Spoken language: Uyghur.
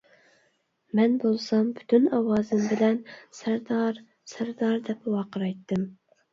مەن بولسام پۈتۈن ئاۋازىم بىلەن:-سەردار، سەردار-دەپ ۋارقىرايتتىم.